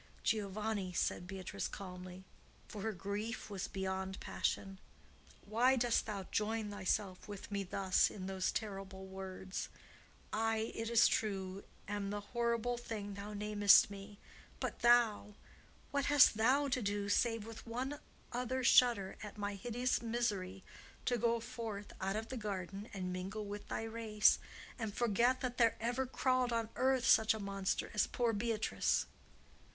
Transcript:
"Giovanni," said Beatrice, calmly, for her grief was beyond passion, "why dost thou join thyself with me thus in those terrible words? I, it is true, am the horrible thing thou namest me. But thou,—what hast thou to do, save with one other shudder at my hideous misery to go forth out of the garden and mingle with thy race, and forget there ever crawled on earth such a monster as poor Beatrice?"